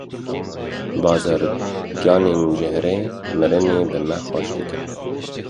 Bazirganên jehrê mirinê bi me xweş dikin.